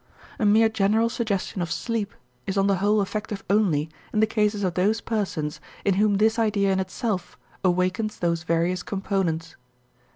A mere general suggestion of sleep is on the whole effective only in the cases of those persons in whom this idea in itself awakens those various components.